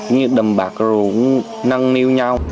như đầm bạc rồi cũng năng niu nhau